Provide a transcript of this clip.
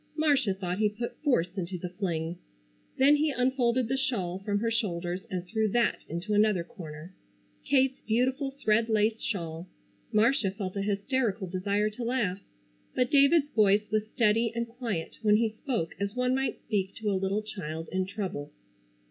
Marcia thought he put force into the fling. Then he unfolded the shawl from her shoulders and threw that into another corner. Kate's beautiful thread lace shawl. Marcia felt a hysterical desire to laugh, but David's voice was steady and quiet when he spoke as one might speak to a little child in trouble.